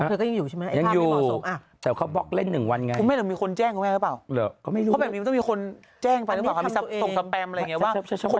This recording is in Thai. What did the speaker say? นะคะคุณให้บล็อกเพื่อคุณแม่นานน่ะคุณคุณแม่มีกิจกรรมแบบนี้แบบ